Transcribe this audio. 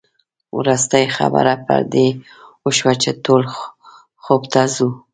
وروستۍ خبره پر دې وشوه چې ټول خوب ته ځو.